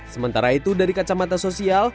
sementara itu dari kacamata sosial